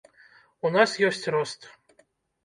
У нас ёсць рост.